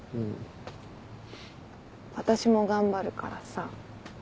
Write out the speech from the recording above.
私も頑張るからさ。